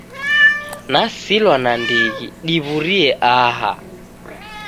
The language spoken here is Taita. Nasilwa nandighi diw'urie aha.